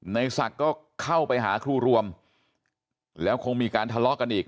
ในศักดิ์ก็เข้าไปหาครูรวมแล้วคงมีการทะเลาะกันอีก